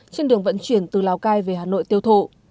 trên đường vận chuyển từ lào cai về hà nội tiêu thụ